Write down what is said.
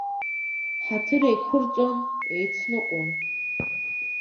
Ҳаҭыр еиқәырҵон, еицныҟәон.